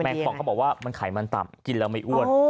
คองเขาบอกว่ามันไขมันต่ำกินแล้วไม่อ้วน